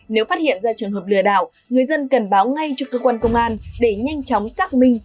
nếu phát hiện ra trường hợp lừa đảo người dân cần báo ngay cho cơ quan công an để nhanh chóng xác minh